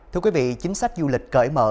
thưa quý vị chính sách du lịch cởi mở